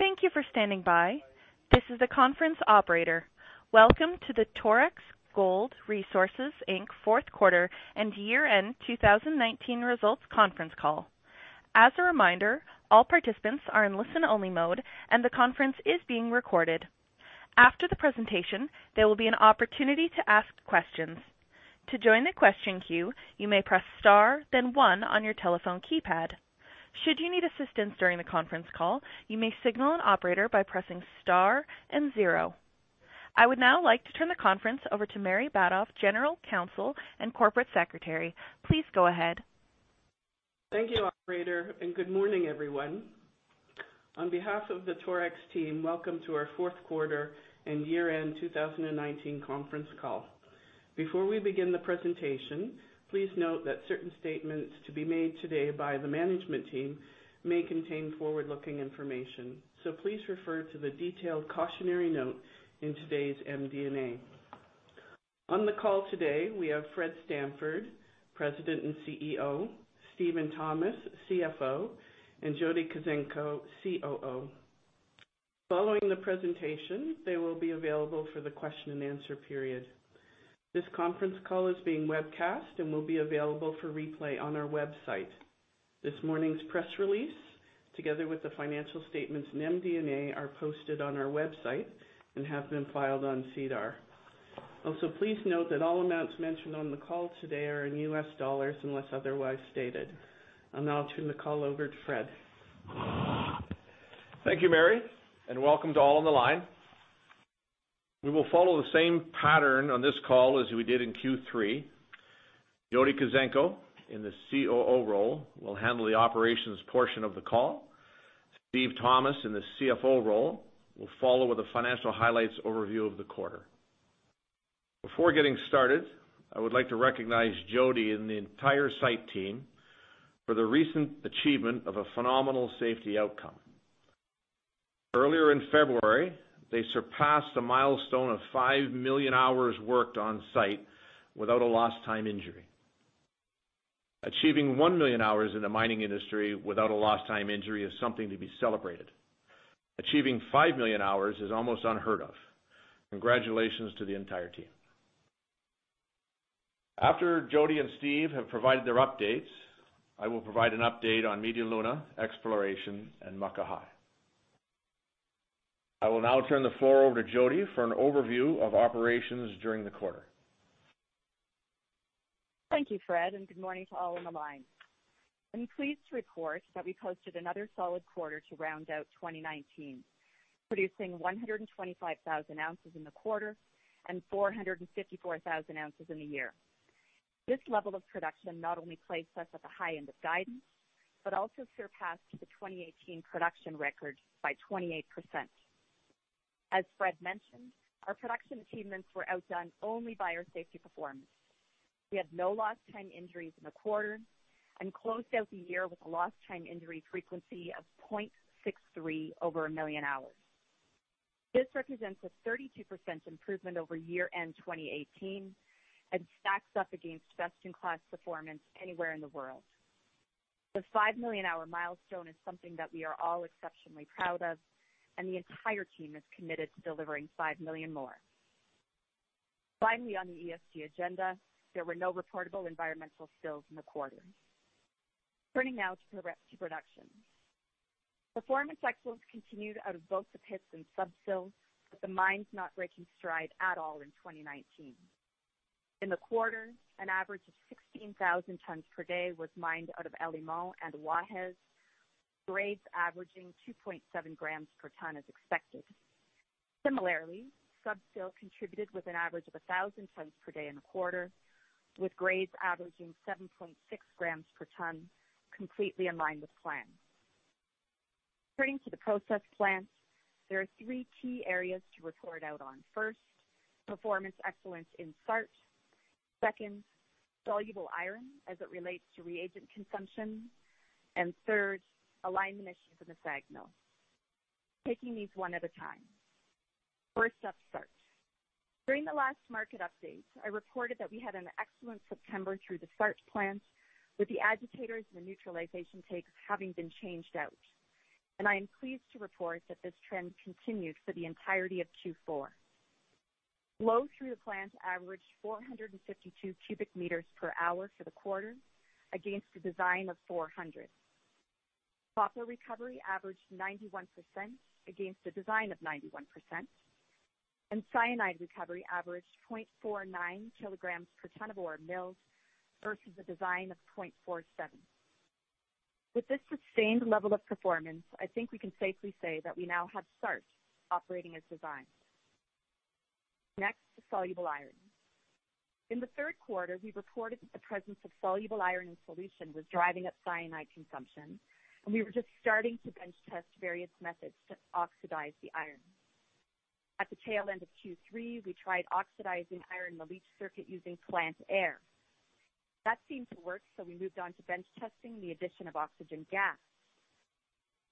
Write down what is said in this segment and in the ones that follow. Thank you for standing by. This is the conference Operator. Welcome to the Torex Gold Resources Inc. fourth quarter and year-end 2019 results conference call. As a reminder, all participants are in listen-only mode, and the conference is being recorded. After the presentation, there will be an opportunity to ask questions. To join the question queue, you may press star then one on your telephone keypad. Should you need assistance during the conference call, you may signal an operator by pressing star and zero. I would now like to turn the conference over to Mary Batoff, General Counsel and Corporate Secretary. Please go ahead. Thank you, Operator, and good morning, everyone. On behalf of the Torex team, welcome to our fourth quarter and year-end 2019 conference call. Before we begin the presentation, please note that certain statements to be made today by the management team may contain forward-looking information. Please refer to the detailed cautionary note in today's MD&A. On the call today, we have Fred Stanford, President and CEO, Steven Thomas, CFO, and Jody Kuzenko, COO. Following the presentation, they will be available for the question and answer period. This conference call is being webcast and will be available for replay on our website. This morning's press release, together with the financial statements and MD&A, are posted on our website and have been filed on SEDAR. Also, please note that all amounts mentioned on the call today are in US dollars unless otherwise stated. I'll now turn the call over to Fred. Thank you, Mary, and welcome to all on the line. We will follow the same pattern on this call as we did in Q3. Jody Kuzenko, in the COO role, will handle the operations portion of the call. Steve Thomas, in the CFO role, will follow with the financial highlights overview of the quarter. Before getting started, I would like to recognize Jody and the entire site team for the recent achievement of a phenomenal safety outcome. Earlier in February, they surpassed a milestone of 5 million hours worked on-site without a lost time injury. Achieving 1 million hours in the mining industry without a lost time injury is something to be celebrated. Achieving 5 million hours is almost unheard of. Congratulations to the entire team. After Jody and Steve have provided their updates, I will provide an update on Media Luna, exploration, and Muckahi. I will now turn the floor over to Jody for an overview of operations during the quarter. Thank you, Fred, and good morning to all on the line. I'm pleased to report that we posted another solid quarter to round out 2019, producing 125,000 ounces in the quarter and 454,000 ounces in the year. This level of production not only places us at the high end of guidance but also surpassed the 2018 production record by 28%. As Fred mentioned, our production achievements were outdone only by our safety performance. We had no lost time injuries in the quarter and closed out the year with a lost time injury frequency of 0.63 over a million hours. This represents a 32% improvement over year-end 2018 and stacks up against best-in-class performance anywhere in the world. The five million hour milestone is something that we are all exceptionally proud of, and the entire team is committed to delivering five million more. Finally, on the ESG agenda, there were no reportable environmental spills in the quarter. Turning now to production. Performance excellence continued out of both the pits and Sub-Sill, with the mines not breaking stride at all in 2019. In the quarter, an average of 16,000 tons per day was mined out of El Limón and Guajes, grades averaging 2.7 grams per ton as expected. Similarly, Sub-Sill contributed with an average of 1,000 tons per day in the quarter, with grades averaging 7.6 grams per ton, completely in line with plan. Turning to the process plant, there are three key areas to report out on. First, performance excellence in SART. Second, soluble iron as it relates to reagent consumption. And third, alignment issues in the SAG mill. Taking these one at a time. First up, SART. During the last market update, I reported that we had an excellent September through the SART plant, with the agitators and the neutralization tanks having been changed out. I am pleased to report that this trend continued for the entirety of Q4. Flow through the plant averaged 452 cubic meters per hour for the quarter against a design of 400. Copper recovery averaged 91% against a design of 91%, and cyanide recovery averaged 0.49 kilograms per ton of ore milled versus a design of 0.47. With this sustained level of performance, I think we can safely say that we now have SART operating as designed. Next, the soluble iron. In the third quarter, we reported that the presence of soluble iron in solution was driving up cyanide consumption, and we were just starting to bench test various methods to oxidize the iron. At the tail end of Q3, we tried oxidizing iron in the leach circuit using plant air. That seemed to work, so we moved on to bench testing the addition of oxygen gas.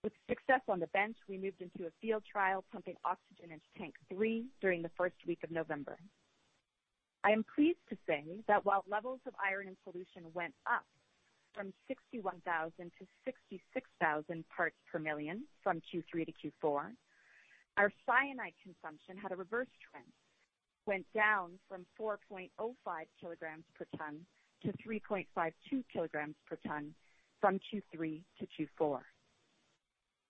With success on the bench, we moved into a field trial pumping oxygen into tank 3 during the first week of November. I am pleased to say that while levels of iron and pollution went up from 61,000 to 66,000 parts per million from Q3 to Q4, our cyanide consumption had a reverse trend, went down from 4.05 kilograms per ton to 3.52 kilograms per ton from Q3 to Q4.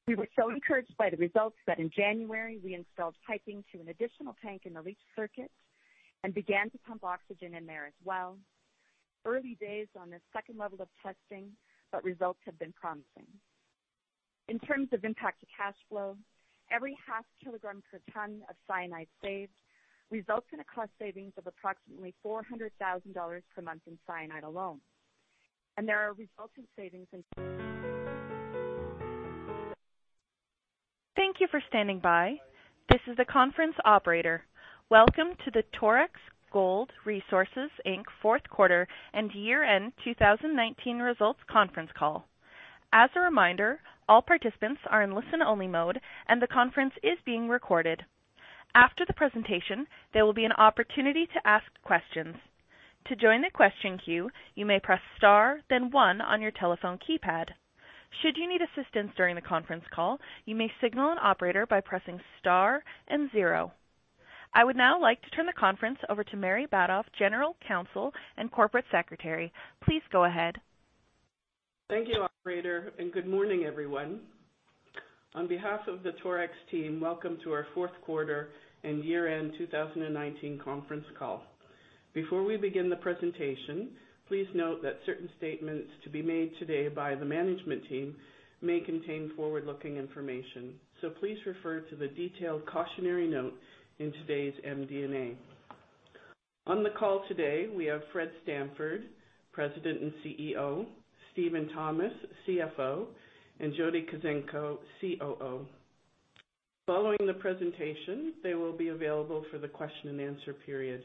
We were so encouraged by the results that in January we installed piping to an additional tank in the leach circuit and began to pump oxygen in there as well. Early days on this second level of testing, but results have been promising. In terms of impact to cash flow, every half kilogram per ton of cyanide saved results in a cost savings of approximately $400,000 per month in cyanide alone. There are resultant savings in. Thank you for standing by. This is the conference operator. Welcome to the Torex Gold Resources Inc. fourth quarter and year-end 2019 results conference call. As a reminder, all participants are in listen only mode and the conference is being recorded. After the presentation, there will be an opportunity to ask questions. To join the question queue, you may press star then one on your telephone keypad. Should you need assistance during the conference call, you may signal an operator by pressing star and zero. I would now like to turn the conference over to Mary Batoff, General Counsel and Corporate Secretary. Please go ahead. Thank you, Operator, and good morning, everyone. On behalf of the Torex team, welcome to our fourth quarter and year-end 2019 conference call. Before we begin the presentation, please note that certain statements to be made today by the management team may contain forward-looking information. Please refer to the detailed cautionary note in today's MD&A. On the call today, we have Fred Stanford, President and CEO, Steven Thomas, CFO, and Jody Kuzenko, COO. Following the presentation, they will be available for the question and answer period.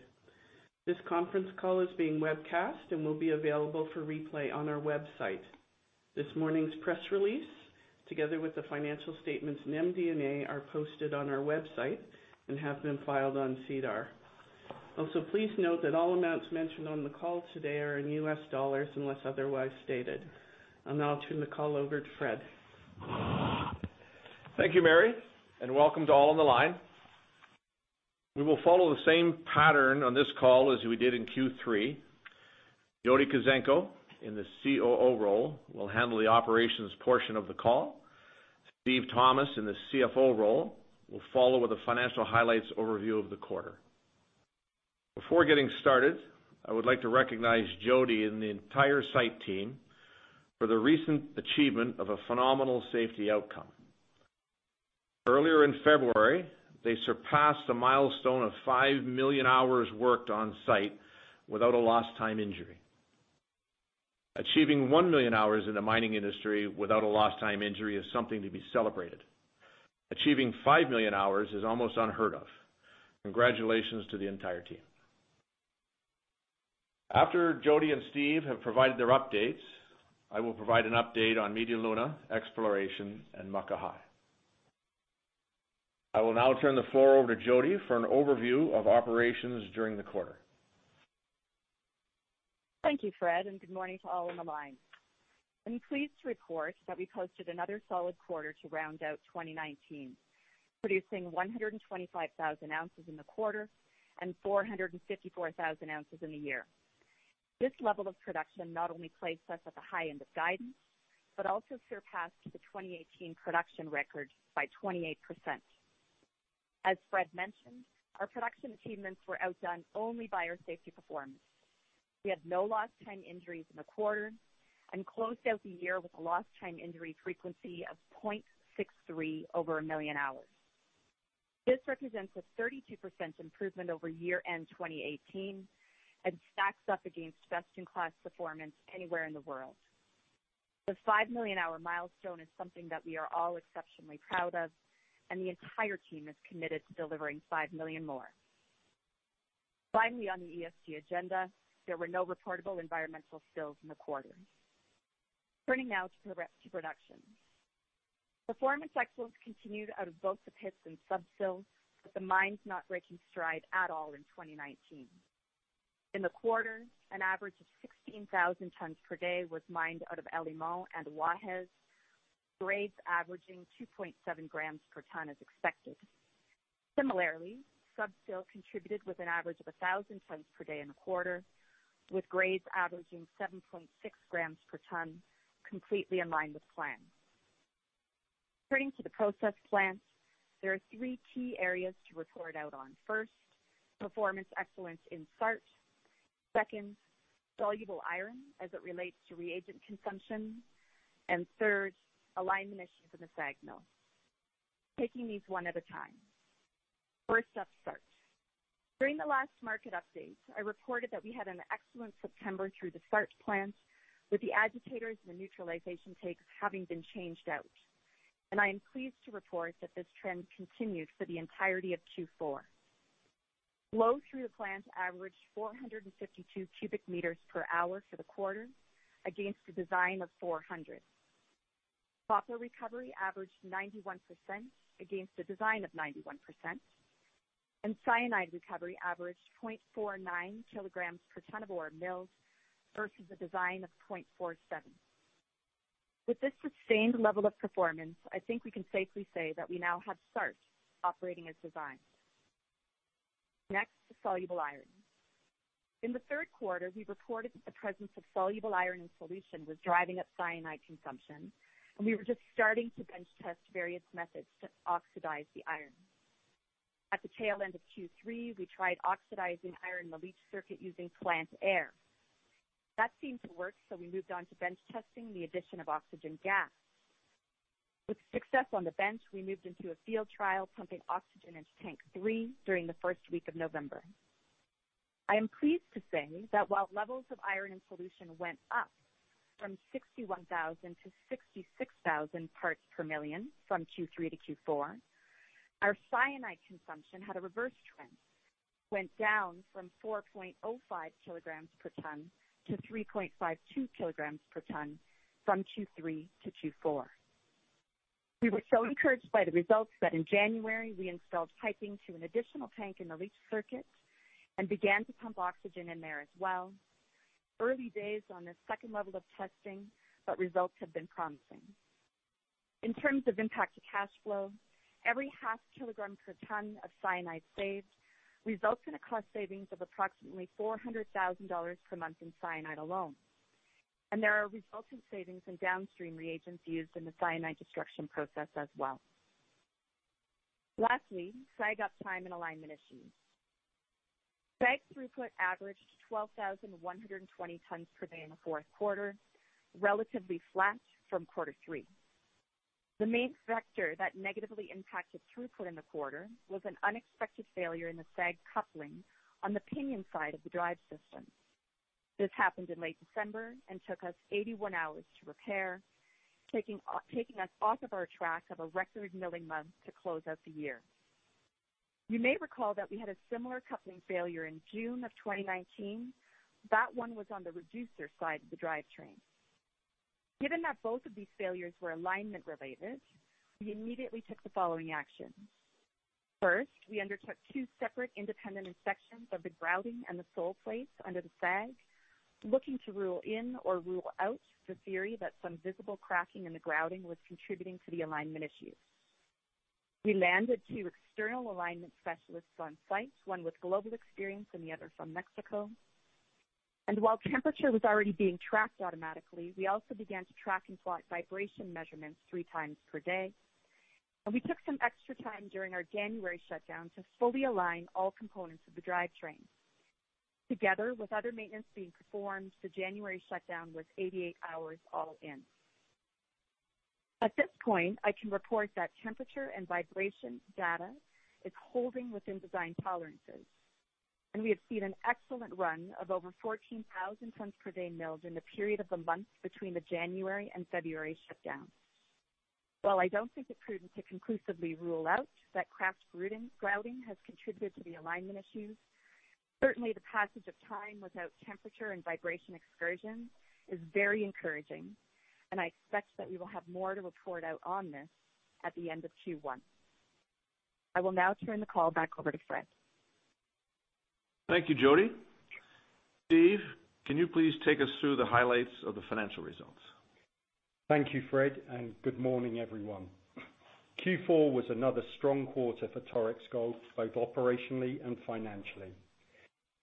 This conference call is being webcast and will be available for replay on our website. This morning's press release, together with the financial statements and MD&A, are posted on our website and have been filed on SEDAR. Also, please note that all amounts mentioned on the call today are in US dollars unless otherwise stated. I'll now turn the call over to Fred. Thank you, Mary, and welcome to all on the line. We will follow the same pattern on this call as we did in Q3. Jody Kuzenko, in the COO role, will handle the operations portion of the call. Steve Thomas, in the CFO role, will follow with the financial highlights overview of the quarter. Before getting started, I would like to recognize Jody and the entire site team for the recent achievement of a phenomenal safety outcome. Earlier in February, they surpassed a milestone of 5 million hours worked on-site without a lost time injury. Achieving 1 million hours in the mining industry without a lost time injury is something to be celebrated. Achieving 5 million hours is almost unheard of. Congratulations to the entire team. After Jody and Steve have provided their updates, I will provide an update on Media Luna, exploration, and Muckahi. I will now turn the floor over to Jody for an overview of operations during the quarter. Thank you, Fred. Good morning to all on the line. I'm pleased to report that we posted another solid quarter to round out 2019, producing 125,000 ounces in the quarter and 454,000 ounces in the year. This level of production not only places us at the high end of guidance, but also surpassed the 2018 production record by 28%. As Fred mentioned, our production achievements were outdone only by our safety performance. We had no lost time injuries in the quarter and closed out the year with a lost time injury frequency of 0.63 over a million hours. This represents a 32% improvement over year-end 2018 and stacks up against best-in-class performance anywhere in the world. The 5 million hour milestone is something that we are all exceptionally proud of. The entire team is committed to delivering 5 million more. Finally, on the ESG agenda, there were no reportable environmental spills in the quarter. Turning now to production. Performance excellence continued out of both the pits and Sub-Sill, with the mines not breaking stride at all in 2019. In the quarter, an average of 16,000 tons per day was mined out of El Limón and Guajes, grades averaging 2.7 grams per ton as expected. Similarly, Sub-Sill contributed with an average of 1,000 tons per day in the quarter, with grades averaging 7.6 grams per ton, completely in line with plan. Turning to the process plant, there are three key areas to report out on. First, performance excellence in SART. Second, soluble iron as it relates to reagent consumption, and third, alignment issues in the SAG mill. Taking these one at a time. First up, SART. During the last market update, I reported that we had an excellent September through the SART plant with the agitators and the neutralization tanks having been changed out. I am pleased to report that this trend continued for the entirety of Q4. Flow through the plant averaged 452 cubic meters per hour for the quarter against a design of 400. Copper recovery averaged 91% against a design of 91%. Cyanide recovery averaged 0.49 kilograms per ton of ore milled, versus a design of 0.47. With this sustained level of performance, I think we can safely say that we now have SART operating as designed. Next, the soluble iron. In the third quarter, we reported that the presence of soluble iron in solution was driving up cyanide consumption. We were just starting to bench test various methods to oxidize the iron. At the tail end of Q3, we tried oxidizing iron in the leach circuit using plant air. That seemed to work, so we moved on to bench testing the addition of oxygen gas. With success on the bench, we moved into a field trial pumping oxygen into tank 3 during the first week of November. I am pleased to say that while levels of iron in solution went up from 61,000 to 66,000 parts per million from Q3 to Q4, our cyanide consumption had a reverse trend, went down from 4.05 kilograms per ton to 3.52 kilograms per ton from Q3 to Q4. We were so encouraged by the results that in January we installed piping to an additional tank in the leach circuit and began to pump oxygen in there as well. Early days on this second level of testing, but results have been promising. In terms of impact to cash flow, every half kilogram per ton of cyanide saved results in a cost savings of approximately $400,000 per month in cyanide alone, and there are resultant savings in downstream reagents used in the cyanide destruction process as well. Lastly, SAG uptime and alignment issues. SAG throughput averaged 12,120 tons per day in the fourth quarter, relatively flat from quarter three. The main factor that negatively impacted throughput in the quarter was an unexpected failure in the SAG coupling on the pinion side of the drive system. This happened in late December and took us 81 hours to repair, taking us off of our track of a record milling month to close out the year. You may recall that we had a similar coupling failure in June of 2019. That one was on the reducer side of the drivetrain. Given that both of these failures were alignment related, we immediately took the following action. First, we undertook two separate independent inspections of the grouting and the sole plates under the SAG, looking to rule in or rule out the theory that some visible cracking in the grouting was contributing to the alignment issues. We landed two external alignment specialists on site, one with global experience and the other from Mexico. While temperature was already being tracked automatically, we also began to track and plot vibration measurements three times per day. We took some extra time during our January shutdown to fully align all components of the drivetrain. Together with other maintenance being performed, the January shutdown was 88 hours all in. At this point, I can report that temperature and vibration data is holding within design tolerances, and we have seen an excellent run of over 14,000 tons per day milled in the period of the month between the January and February shutdowns. While I don't think it prudent to conclusively rule out that cracked grouting has contributed to the alignment issues, certainly the passage of time without temperature and vibration excursion is very encouraging, and I expect that we will have more to report out on this at the end of Q1. I will now turn the call back over to Fred. Thank you, Jody. Steve, can you please take us through the highlights of the financial results? Thank you, Fred, and good morning, everyone. Q4 was another strong quarter for Torex Gold, both operationally and financially.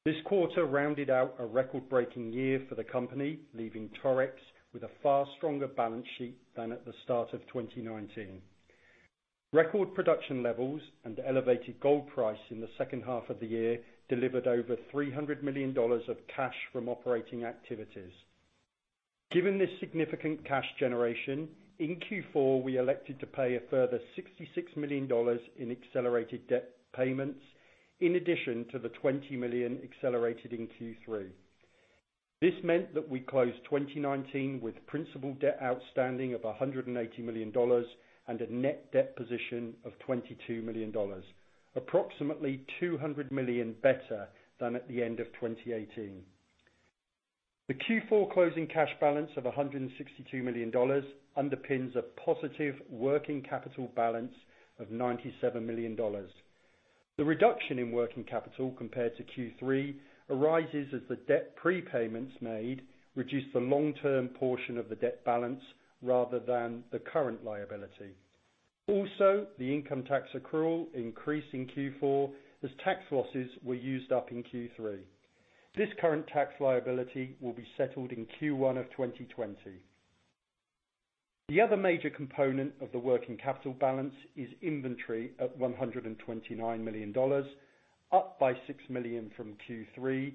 This quarter rounded out a record-breaking year for the company, leaving Torex with a far stronger balance sheet than at the start of 2019. Record production levels and elevated gold price in the second half of the year delivered over $300 million of cash from operating activities. Given this significant cash generation, in Q4, we elected to pay a further $66 million in accelerated debt payments, in addition to the $20 million accelerated in Q3. This meant that we closed 2019 with principal debt outstanding of $180 million and a net debt position of $22 million, approximately $200 million better than at the end of 2018. The Q4 closing cash balance of $162 million underpins a positive working capital balance of $97 million. The reduction in working capital compared to Q3 arises as the debt prepayments made reduce the long-term portion of the debt balance rather than the current liability. The income tax accrual increased in Q4 as tax losses were used up in Q3. This current tax liability will be settled in Q1 of 2020. The other major component of the working capital balance is inventory at $129 million, up by $6 million from Q3,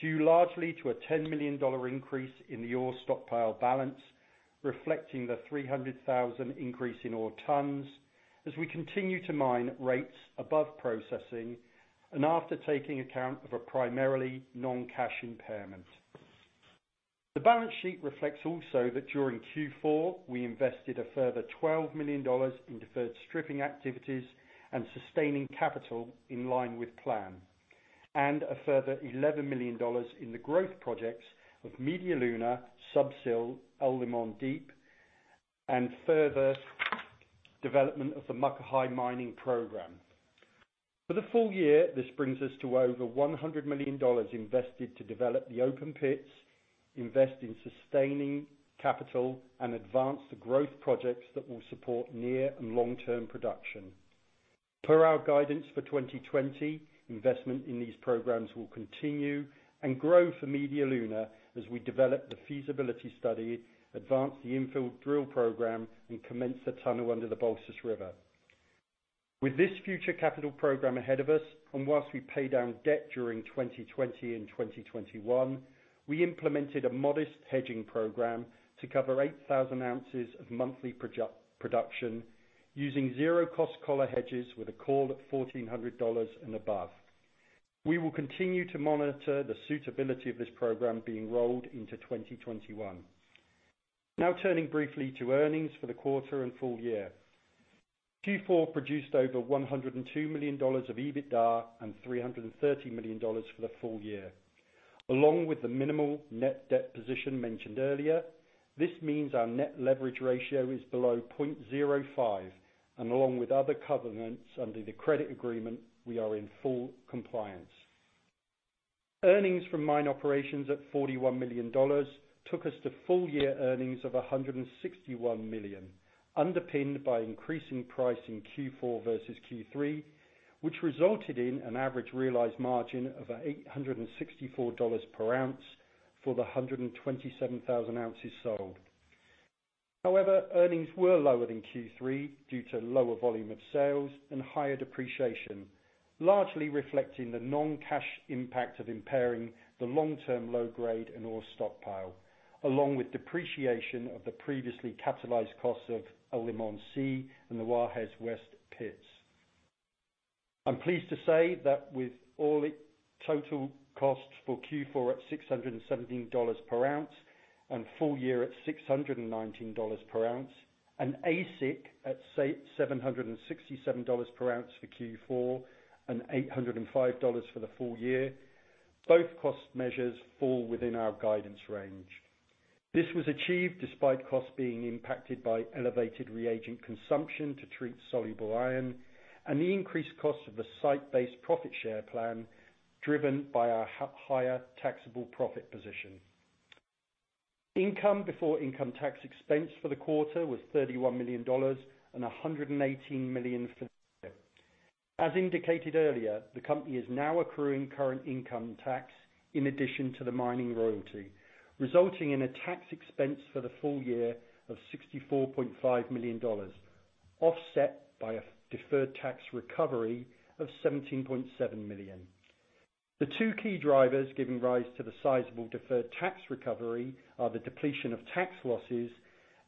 due largely to a $10 million increase in the ore stockpile balance, reflecting the 300,000 increase in ore tons as we continue to mine at rates above processing and after taking account of a primarily non-cash impairment. The balance sheet reflects also that during Q4, we invested a further $12 million in deferred stripping activities and sustaining capital in line with plan, and a further $11 million in the growth projects of Media Luna, Sub-Sill, El Limón Deep, and further development of the Muckahi mining program. For the full year, this brings us to over $100 million invested to develop the open pits, invest in sustaining capital, and advance the growth projects that will support near and long-term production. Per our guidance for 2020, investment in these programs will continue and grow for Media Luna as we develop the feasibility study, advance the infill drill program, and commence the tunnel under the Balsas River. With this future capital program ahead of us, and whilst we pay down debt during 2020 and 2021, we implemented a modest hedging program to cover 8,000 ounces of monthly production using zero-cost collar hedges with a call at $1,400 and above. We will continue to monitor the suitability of this program being rolled into 2021. Now turning briefly to earnings for the quarter and full year. Q4 produced over $102 million of EBITDA and $330 million for the full year. Along with the minimal net debt position mentioned earlier, this means our net leverage ratio is below 0.05, and along with other covenants under the credit agreement, we are in full compliance. Earnings from mine operations at $41 million took us to full year earnings of $161 million, underpinned by increasing price in Q4 versus Q3, which resulted in an average realized margin of $864 per ounce for the 127,000 ounces sold. However, earnings were lower than Q3 due to lower volume of sales and higher depreciation, largely reflecting the non-cash impact of impairing the long-term low grade and ore stockpile, along with depreciation of the previously capitalized costs of El Limón C and the Guajes West pits. I'm pleased to say that with all total costs for Q4 at $617 per ounce and full year at $619 per ounce, and AISC at $767 per ounce for Q4 and $805 for the full year, both cost measures fall within our guidance range. This was achieved despite costs being impacted by elevated reagent consumption to treat soluble iron and the increased cost of the site-based profit share plan driven by our higher taxable profit position. Income before income tax expense for the quarter was $31 million and $118 million for the year. As indicated earlier, the company is now accruing current income tax in addition to the mining royalty, resulting in a tax expense for the full year of $64.5 million, offset by a deferred tax recovery of $17.7 million. The two key drivers giving rise to the sizable deferred tax recovery are the depletion of tax losses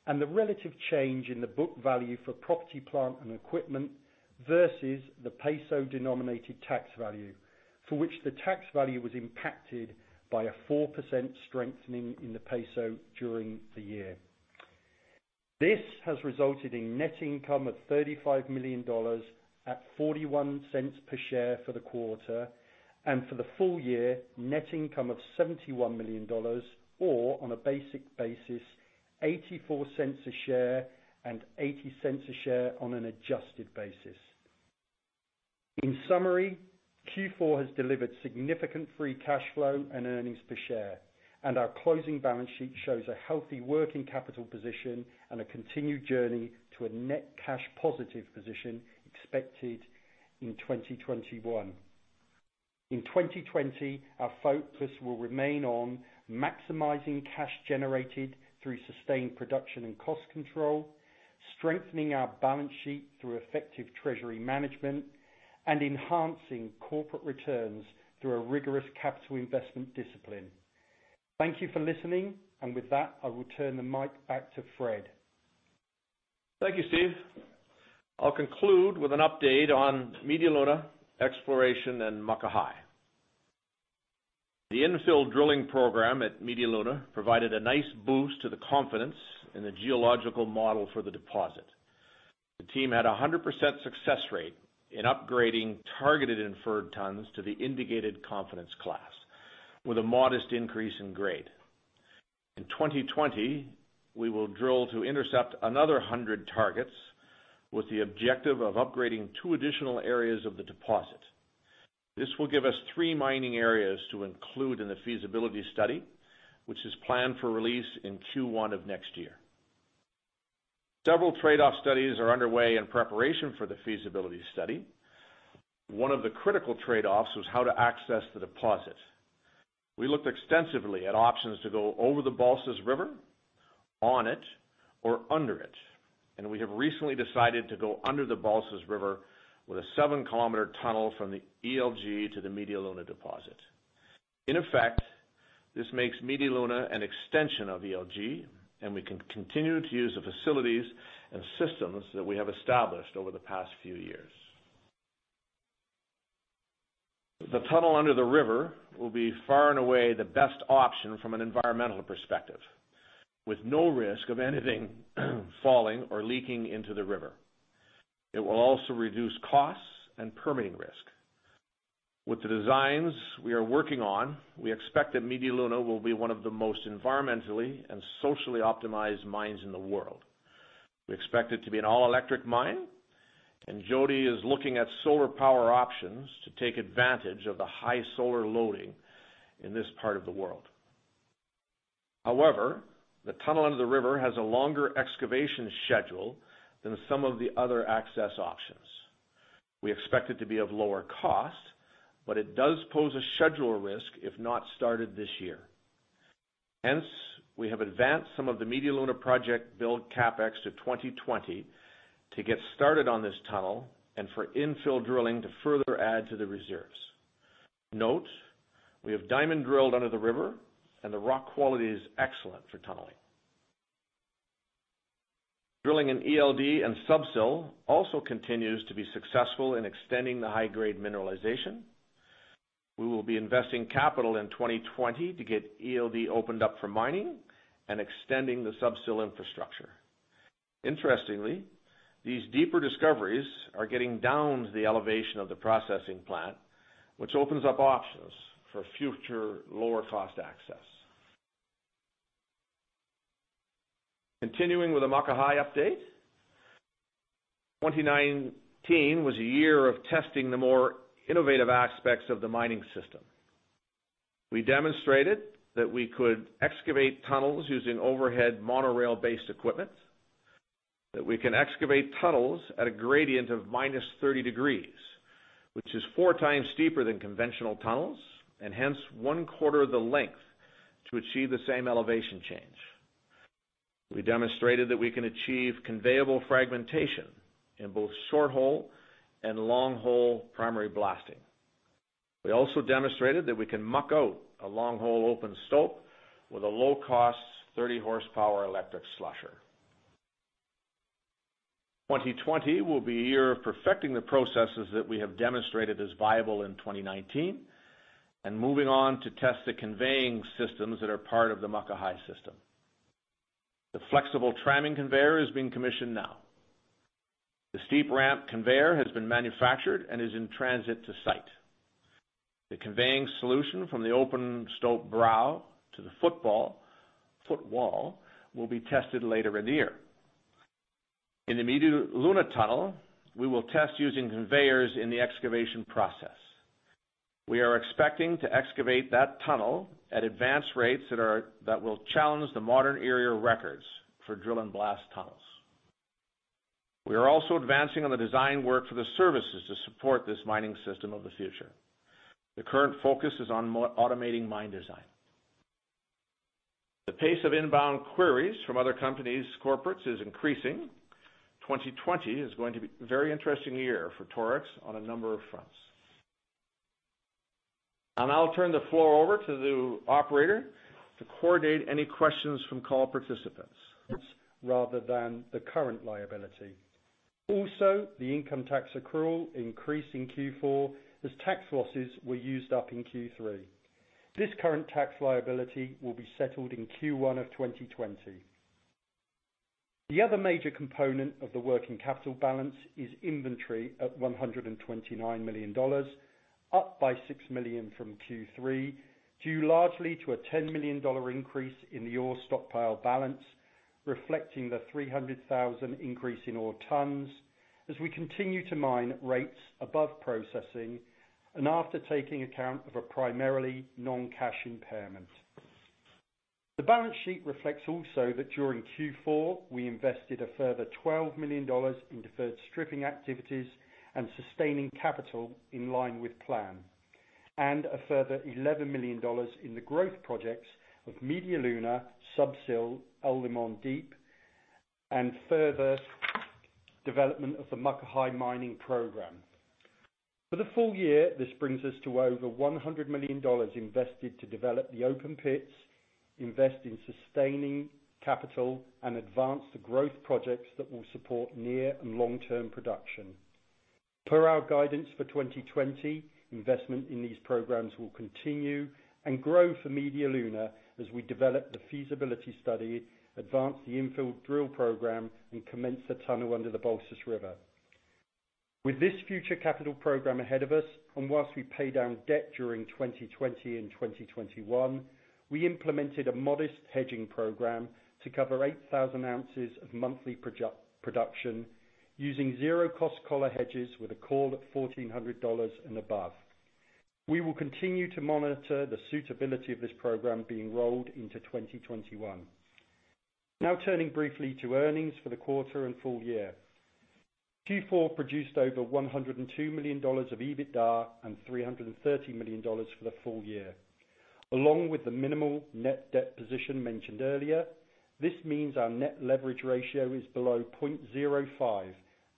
and the relative change in the book value for property, plant, and equipment versus the peso-denominated tax value, for which the tax value was impacted by a 4% strengthening in the peso during the year. This has resulted in net income of $35 million at $0.41 per share for the quarter, and for the full year, net income of $71 million, or on a basic basis, $0.84 a share and $0.80 a share on an adjusted basis. In summary, Q4 has delivered significant free cash flow and earnings per share, and our closing balance sheet shows a healthy working capital position and a continued journey to a net cash positive position expected in 2021. In 2020, our focus will remain on maximizing cash generated through sustained production and cost control, strengthening our balance sheet through effective treasury management, and enhancing corporate returns through a rigorous capital investment discipline. Thank you for listening, and with that, I will turn the mic back to Fred. Thank you, Steve. I'll conclude with an update on Media Luna exploration in Muckahi. The infill drilling program at Media Luna provided a nice boost to the confidence in the geological model for the deposit. The team had 100% success rate in upgrading targeted inferred tons to the indicated confidence class with a modest increase in grade. In 2020, we will drill to intercept another 100 targets with the objective of upgrading two additional areas of the deposit. This will give us three mining areas to include in the feasibility study, which is planned for release in Q1 of next year. Several trade-off studies are underway in preparation for the feasibility study. One of the critical trade-offs was how to access the deposit. We looked extensively at options to go over the Balsas River, on it, or under it. We have recently decided to go under the Balsas River with a 7-kilometer tunnel from the ELG to the Media Luna deposit. In effect, this makes Media Luna an extension of ELG, and we can continue to use the facilities and systems that we have established over the past few years. The tunnel under the river will be far and away the best option from an environmental perspective, with no risk of anything falling or leaking into the river. It will also reduce costs and permitting risk. With the designs we are working on, we expect that Media Luna will be one of the most environmentally and socially optimized mines in the world. We expect it to be an all-electric mine. Jody is looking at solar power options to take advantage of the high solar loading in this part of the world. However, the tunnel under the river has a longer excavation schedule than some of the other access options. We expect it to be of lower cost, it does pose a schedule risk if not started this year. Hence, we have advanced some of the Media Luna project build CapEx to 2020 to get started on this tunnel and for infill drilling to further add to the reserves. Note, we have diamond drilled under the river, and the rock quality is excellent for tunneling. Drilling in ELG and Sub-Sill also continues to be successful in extending the high-grade mineralization. We will be investing capital in 2020 to get ELG opened up for mining and extending the Sub-Sill infrastructure. Interestingly, these deeper discoveries are getting down to the elevation of the processing plant, which opens up options for future lower-cost access. Continuing with the Muckahi update. 2019 was a year of testing the more innovative aspects of the mining system. We demonstrated that we could excavate tunnels using overhead monorail-based equipment, that we can excavate tunnels at a gradient of -30 degrees, which is four times steeper than conventional tunnels and hence one quarter of the length to achieve the same elevation change. We demonstrated that we can achieve conveyable fragmentation in both short hole and long hole primary blasting. We also demonstrated that we can muck out a long hole open stope with a low-cost 30 horsepower electric slusher. 2020 will be a year of perfecting the processes that we have demonstrated as viable in 2019, and moving on to test the conveying systems that are part of the Muckahi system. The flexible tramming conveyor is being commissioned now. The steep ramp conveyor has been manufactured and is in transit to site. The conveying solution from the open stope brow to the footwall will be tested later in the year. In the Media Luna tunnel, we will test using conveyors in the excavation process. We are expecting to excavate that tunnel at advanced rates that will challenge the modern-era records for drill and blast tunnels. We are also advancing on the design work for the services to support this mining system of the future. The current focus is on automating mine design. The pace of inbound queries from other companies, corporates is increasing. 2020 is going to be a very interesting year for Torex on a number of fronts. I'll turn the floor over to the Operator to coordinate any questions from call participants. Rather than the current liability. Also, the income tax accrual increased in Q4 as tax losses were used up in Q3. This current tax liability will be settled in Q1 of 2020. The other major component of the working capital balance is inventory at $129 million, up by $6 million from Q3, due largely to a $10 million increase in the ore stockpile balance, reflecting the 300,000 increase in ore tons as we continue to mine at rates above processing and after taking account of a primarily non-cash impairment. The balance sheet reflects also that during Q4, we invested a further $12 million in deferred stripping activities and sustaining capital in line with plan, and a further $11 million in the growth projects of Media Luna, Sub-Sill, El Limón Deep, and further development of the Muckahi mining program. For the full year, this brings us to over $100 million invested to develop the open pits, invest in sustaining capital, and advance the growth projects that will support near and long-term production. Per our guidance for 2020, investment in these programs will continue and grow for Media Luna as we develop the feasibility study, advance the infill drill program, and commence a tunnel under the Balsas River. With this future capital program ahead of us, and whilst we pay down debt during 2020 and 2021, we implemented a modest hedging program to cover 8,000 ounces of monthly production using zero-cost collar hedges with a call at $1,400 and above. We will continue to monitor the suitability of this program being rolled into 2021. Turning briefly to earnings for the quarter and full year. Q4 produced over $102 million of EBITDA and $330 million for the full year. Along with the minimal net debt position mentioned earlier, this means our net leverage ratio is below 0.05,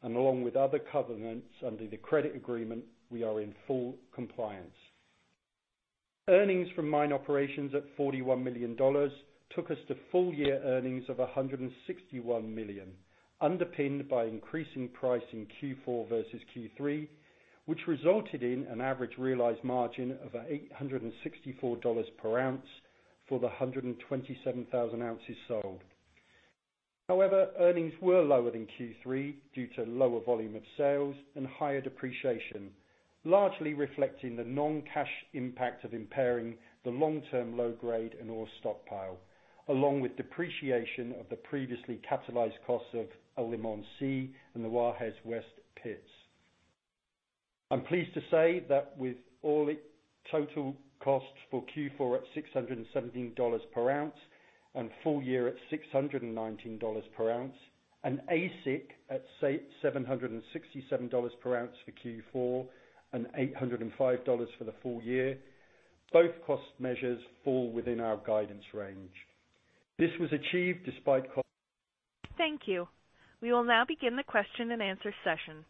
and along with other covenants under the credit agreement, we are in full compliance. Earnings from mine operations at $41 million took us to full-year earnings of $161 million, underpinned by increasing price in Q4 versus Q3, which resulted in an average realized margin of $864 per ounce for the 127,000 ounces sold. Earnings were lower than Q3 due to lower volume of sales and higher depreciation, largely reflecting the non-cash impact of impairing the long-term low grade and ore stockpile, along with depreciation of the previously capitalized costs of El Limón and the Guajes West pits. I'm pleased to say that with all its total costs for Q4 at $617 per ounce and full year at $619 per ounce, and AISC at $767 per ounce for Q4 and $805 for the full year, both cost measures fall within our guidance range. Thank you. We will now begin the question and answer session.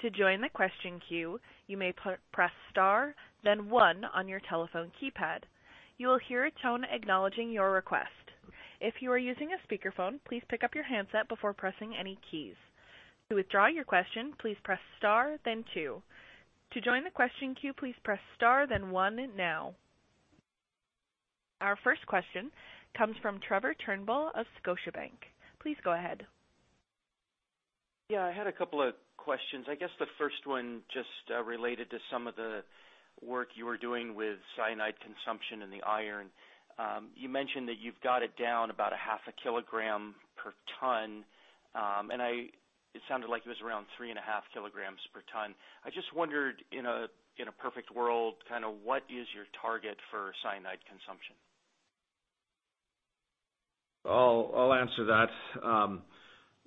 To join the question queue, you may press star then one on your telephone keypad. You will hear a tone acknowledging your request. If you are using a speakerphone, please pick up your handset before pressing any keys. To withdraw your question, please press star then two. To join the question queue, please press star then one now. Our first question comes from Trevor Turnbull of Scotiabank. Please go ahead. I had a couple of questions. I guess the first one just related to some of the work you were doing with cyanide consumption and the iron. You mentioned that you've got it down about a half a kilogram per ton, and it sounded like it was around three and a half kilograms per ton. I just wondered, in a perfect world, what is your target for cyanide consumption? I'll answer that.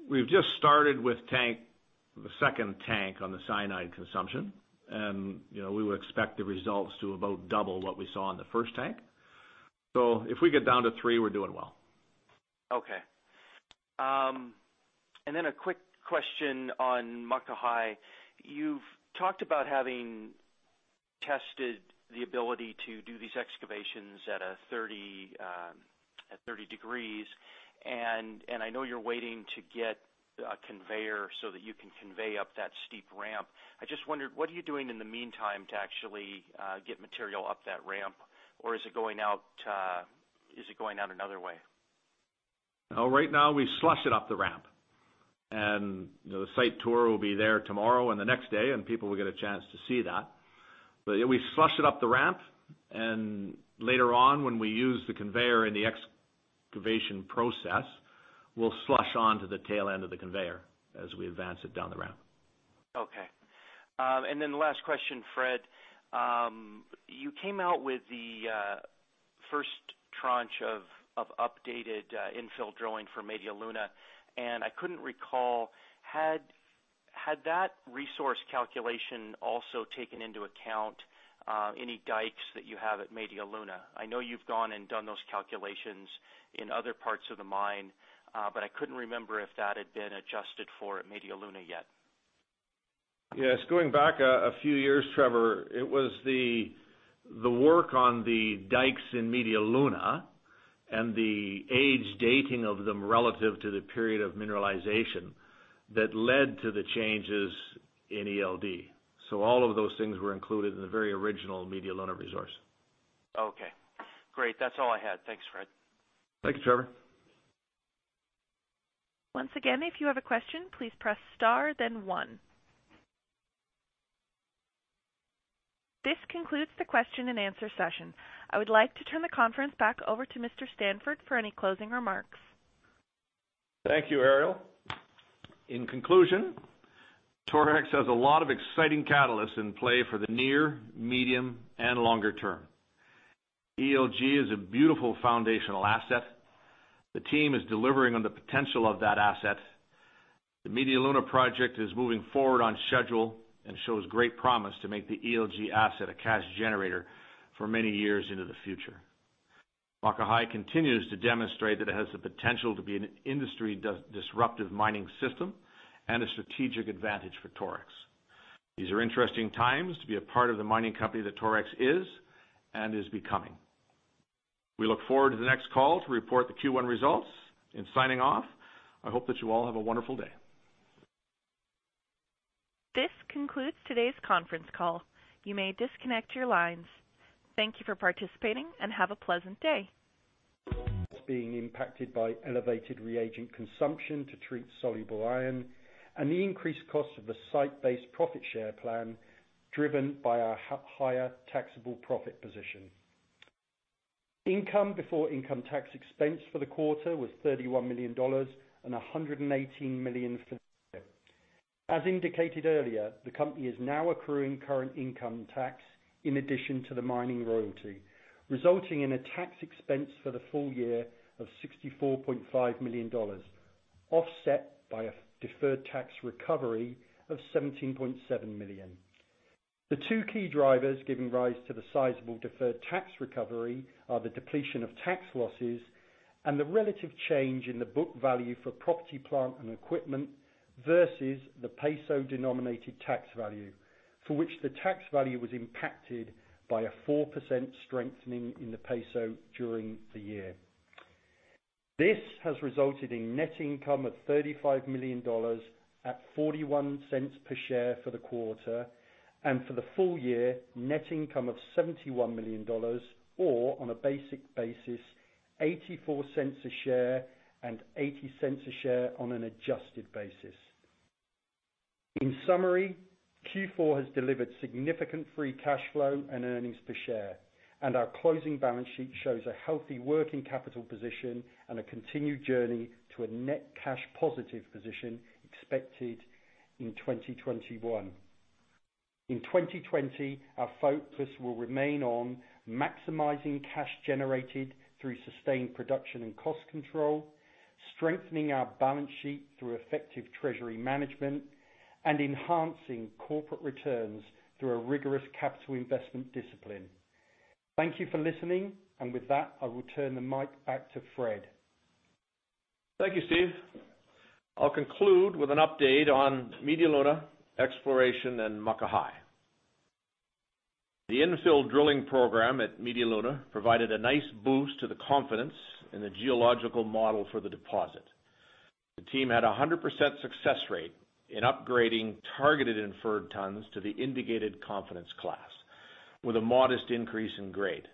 We've just started with the second tank on the cyanide consumption, we would expect the results to about double what we saw in the first tank. If we get down to three, we're doing well. Okay. Then a quick question on Muckahi. You've talked about having tested the ability to do these excavations at 30 degrees, and I know you're waiting to get a conveyor so that you can convey up that steep ramp. I just wondered, what are you doing in the meantime to actually get material up that ramp? Is it going out another way? No. Right now, we slush it up the ramp, and the site tour will be there tomorrow and the next day, and people will get a chance to see that. We slush it up the ramp, and later on, when we use the conveyor in the excavation process, we'll slush onto the tail end of the conveyor as we advance it down the ramp. Okay. The last question, Fred. You came out with the first tranche of updated infill drilling for Media Luna, and I couldn't recall, had that resource calculation also taken into account any dikes that you have at Media Luna? I know you've gone and done those calculations in other parts of the mine, but I couldn't remember if that had been adjusted for at Media Luna yet. Yes. Going back a few years, Trevor, it was the work on the dikes in Media Luna and the age dating of them relative to the period of mineralization that led to the changes in ELD. All of those things were included in the very original Media Luna resource. Okay, great. That's all I had. Thanks, Fred. Thank you, Trevor. Once again, if you have a question, please press star then one. This concludes the question and answer session. I would like to turn the conference back over to Mr. Stanford for any closing remarks. Thank you, Ariel. In conclusion, Torex has a lot of exciting catalysts in play for the near, medium, and longer term. ELG is a beautiful foundational asset. The team is delivering on the potential of that asset. The Media Luna project is moving forward on schedule and shows great promise to make the ELG asset a cash generator for many years into the future. Muckahi continues to demonstrate that it has the potential to be an industry disruptive mining system and a strategic advantage for Torex. These are interesting times to be a part of the mining company that Torex is and is becoming. We look forward to the next call to report the Q1 results. In signing off, I hope that you all have a wonderful day. This concludes today's conference call. You may disconnect your lines. Thank you for participating and have a pleasant day. It's being impacted by elevated reagent consumption to treat soluble iron and the increased cost of the site-based profit share plan driven by our higher taxable profit position. Income before income tax expense for the quarter was $31 million and $118 million for the year. As indicated earlier, the company is now accruing current income tax in addition to the mining royalty, resulting in a tax expense for the full year of $64.5 million, offset by a deferred tax recovery of $17.7 million. The two key drivers giving rise to the sizable deferred tax recovery are the depletion of tax losses and the relative change in the book value for property, plant, and equipment versus the peso-denominated tax value, for which the tax value was impacted by a 4% strengthening in the peso during the year. This has resulted in net income of $35 million at $0.41 per share for the quarter. For the full year, net income of $71 million, or on a basic basis, $0.84 a share and $0.80 a share on an adjusted basis. In summary, Q4 has delivered significant free cash flow and earnings per share, and our closing balance sheet shows a healthy working capital position and a continued journey to a net cash positive position expected in 2021. In 2020, our focus will remain on maximizing cash generated through sustained production and cost control, strengthening our balance sheet through effective treasury management, and enhancing corporate returns through a rigorous capital investment discipline. Thank you for listening. With that, I will turn the mic back to Fred. Thank you, Steven. I'll conclude with an update on Media Luna, exploration, and Muckahi. The infill drilling program at Media Luna provided a nice boost to the confidence in the geological model for the deposit. The team had 100% success rate in upgrading targeted inferred tons to the indicated confidence class with a modest increase in grade.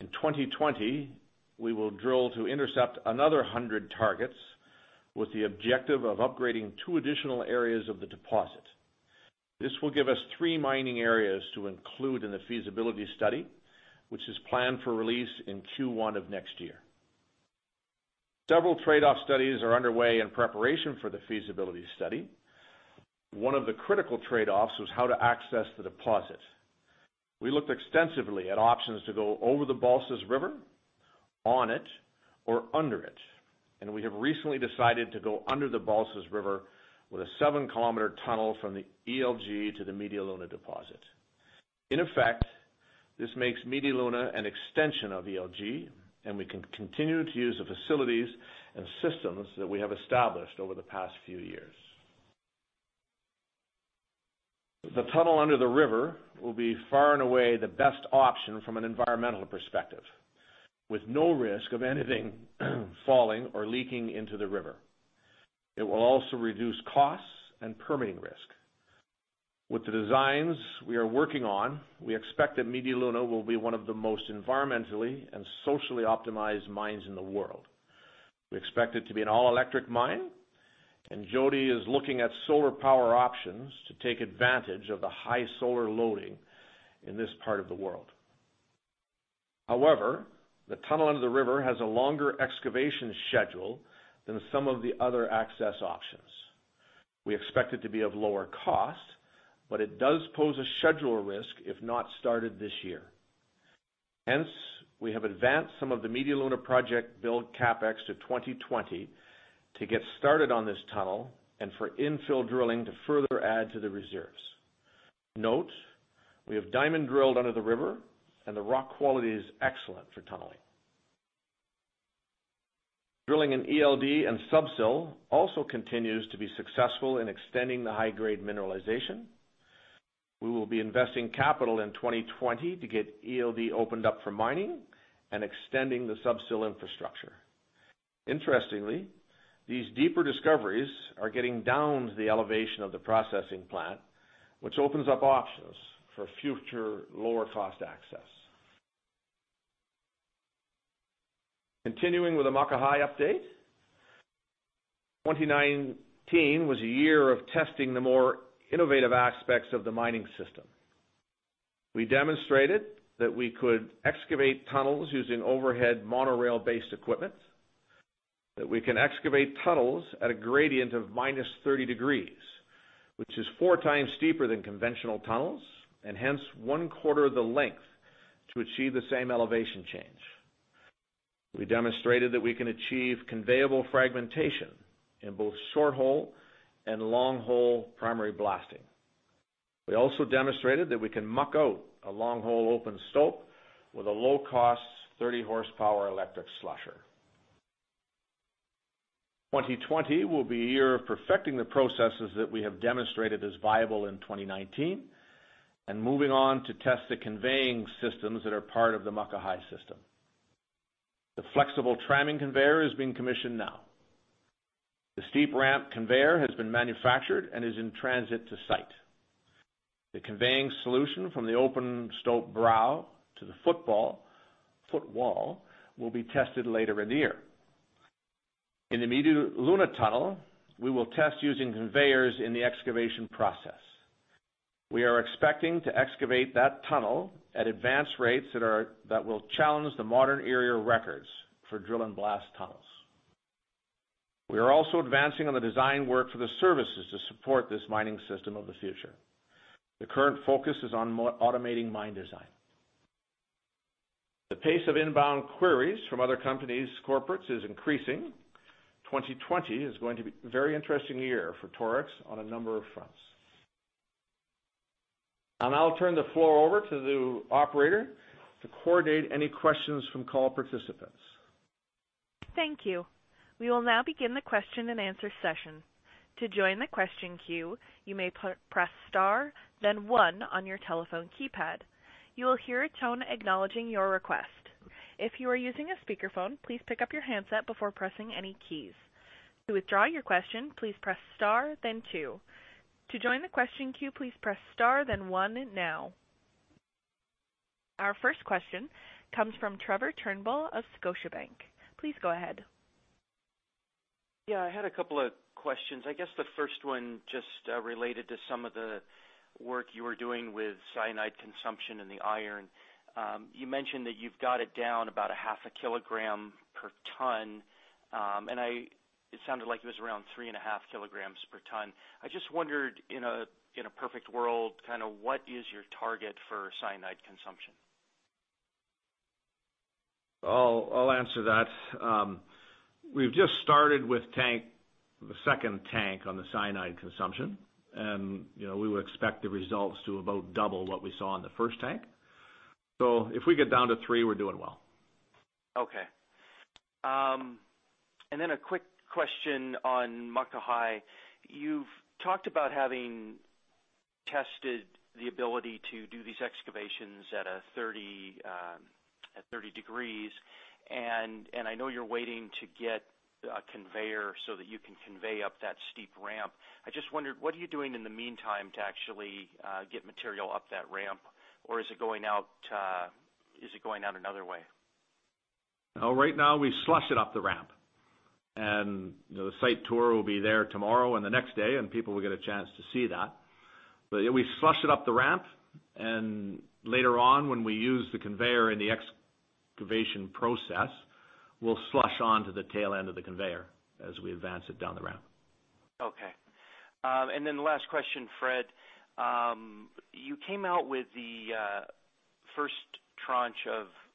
In 2020, we will drill to intercept another 100 targets with the objective of upgrading two additional areas of the deposit. This will give us three mining areas to include in the feasibility study, which is planned for release in Q1 of next year. Several trade-off studies are underway in preparation for the feasibility study. One of the critical trade-offs was how to access the deposit. We looked extensively at options to go over the Balsas River, on it, or under it, and we have recently decided to go under the Balsas River with a 7-kilometer tunnel from the ELG to the Media Luna deposit. In effect, this makes Media Luna an extension of ELG, and we can continue to use the facilities and systems that we have established over the past few years. The tunnel under the river will be far and away the best option from an environmental perspective, with no risk of anything falling or leaking into the river. It will also reduce costs and permitting risk. With the designs we are working on, we expect that Media Luna will be one of the most environmentally and socially optimized mines in the world. We expect it to be an all-electric mine, and Jody is looking at solar power options to take advantage of the high solar loading in this part of the world. However, the tunnel under the river has a longer excavation schedule than some of the other access options. We expect it to be of lower cost, but it does pose a schedule risk if not started this year. Hence, we have advanced some of the Media Luna project build CapEx to 2020 to get started on this tunnel and for infill drilling to further add to the reserves. Note, we have diamond drilled under the river, and the rock quality is excellent for tunneling. Drilling in El Limón and Sub-Sill also continues to be successful in extending the high-grade mineralization. We will be investing capital in 2020 to get El Limón opened up for mining and extending the Sub-Sill infrastructure. Interestingly, these deeper discoveries are getting down to the elevation of the processing plant, which opens up options for future lower cost access. Continuing with the Muckahi update. 2019 was a year of testing the more innovative aspects of the mining system. We demonstrated that we could excavate tunnels using overhead monorail-based equipment. That we can excavate tunnels at a gradient of -30 degrees, which is four times steeper than conventional tunnels and hence one quarter the length to achieve the same elevation change. We demonstrated that we can achieve conveyable fragmentation in both short hole and long hole primary blasting. We also demonstrated that we can muck out a long hole open stope with a low-cost 30 horsepower electric slusher. 2020 will be a year of perfecting the processes that we have demonstrated as viable in 2019 and moving on to test the conveying systems that are part of the Muckahi system. The flexible tramming conveyor is being commissioned now. The steep ramp conveyor has been manufactured and is in transit to site. The conveying solution from the open stope brow to the footwall will be tested later in the year. In the Media Luna tunnel, we will test using conveyors in the excavation process. We are expecting to excavate that tunnel at advanced rates that will challenge the modern era records for drill and blast tunnels. We are also advancing on the design work for the services to support this mining system of the future. The current focus is on automating mine design. The pace of inbound queries from other companies, corporates is increasing. 2020 is going to be a very interesting year for Torex on a number of fronts. I'll now turn the floor over to the Operator to coordinate any questions from call participants. Thank you. We will now begin the question and answer session. To join the question queue, you may press star then one on your telephone keypad. You will hear a tone acknowledging your request. If you are using a speakerphone, please pick up your handset before pressing any keys. To withdraw your question, please press star then two. To join the question queue, please press star then one now. Our first question comes from Trevor Turnbull of Scotiabank. Please go ahead. Yeah, I had a couple of questions. I guess the first one just related to some of the work you were doing with cyanide consumption in the iron. You mentioned that you've got it down about a half a kilogram per ton. It sounded like it was around three and a half kilograms per ton. I just wondered, in a perfect world, what is your target for cyanide consumption? I'll answer that. We've just started with the second tank on the cyanide consumption. We would expect the results to about double what we saw in the first tank. If we get down to three, we're doing well. Okay. A quick question on Muckahi. You've talked about having tested the ability to do these excavations at 30 degrees, and I know you're waiting to get a conveyor so that you can convey up that steep ramp. I just wondered, what are you doing in the meantime to actually get material up that ramp, or is it going out another way? No, right now we slush it up the ramp. The site tour will be there tomorrow and the next day, and people will get a chance to see that. We slush it up the ramp and later on, when we use the conveyor in the excavation process, we'll slush onto the tail end of the conveyor as we advance it down the ramp. Okay. The last question, Fred. You came out with the first tranche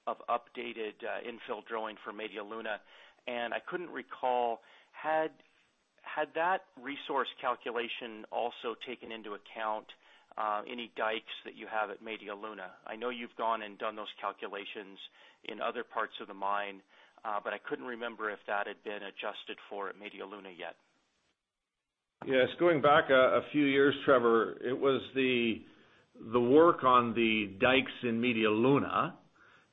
of updated infill drilling for Media Luna, and I couldn't recall, had that resource calculation also taken into account any dikes that you have at Media Luna? I know you've gone and done those calculations in other parts of the mine, but I couldn't remember if that had been adjusted for at Media Luna yet. Yes, going back a few years, Trevor, it was the work on the dikes in Media Luna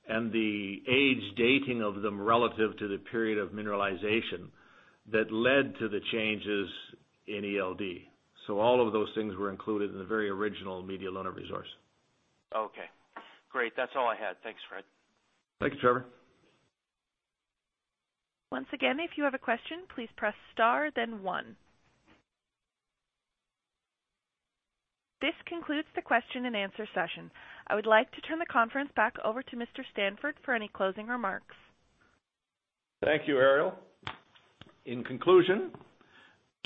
and the age dating of them relative to the period of mineralization that led to the changes in ELG. All of those things were included in the very original Media Luna resource. Okay, great. That's all I had. Thanks, Fred. Thank you, Trevor. Once again, if you have a question, please press star then one. This concludes the question and answer session. I would like to turn the conference back over to Mr. Stanford for any closing remarks. Thank you, Ariel. In conclusion,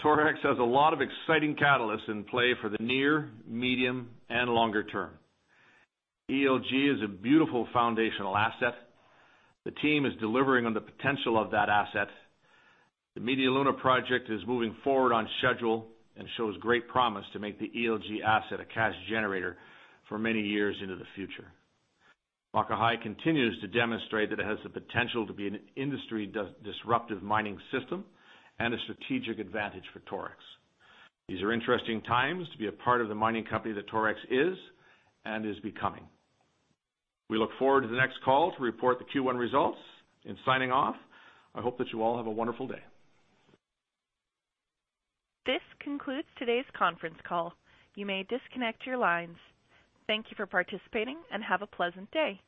Torex has a lot of exciting catalysts in play for the near, medium, and longer term. ELG is a beautiful foundational asset. The team is delivering on the potential of that asset. The Media Luna project is moving forward on schedule and shows great promise to make the ELG asset a cash generator for many years into the future. Muckahi continues to demonstrate that it has the potential to be an industry-disruptive mining system and a strategic advantage for Torex. These are interesting times to be a part of the mining company that Torex is and is becoming. We look forward to the next call to report the Q1 results. In signing off, I hope that you all have a wonderful day. This concludes today's conference call. You may disconnect your lines. Thank you for participating and have a pleasant day.